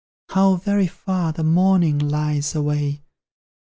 how very far The morning lies away!